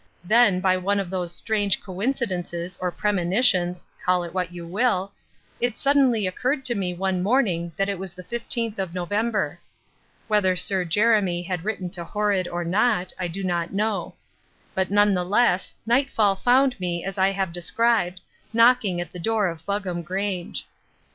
Then, by one of those strange coincidences or premonitions call it what you will it suddenly occurred to me one morning that it was the fifteenth of November. Whether Sir Jeremy had written to Horrod or not, I did not know. But none the less nightfall found me, as I have described, knocking at the door of Buggam Grange.